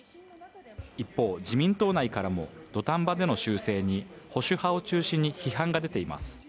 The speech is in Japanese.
一方、自民党内からも、土壇場での修正に保守派を中心に批判が出ています。